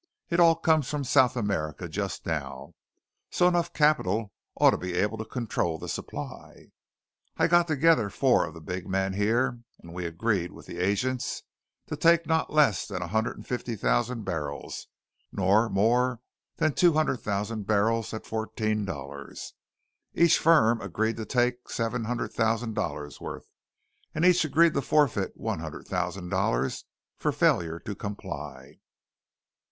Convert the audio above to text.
It all comes from South America just now, so enough capital ought to be able to control the supply. I got together four of the big men here and we agreed with the agents to take not less than a hundred and fifty thousand barrels nor more than two hundred thousand barrels at fourteen dollars. Each firm agreed to take seven hundred thousand dollars' worth; and each agreed to forfeit one hundred thousand dollars for failure to comply.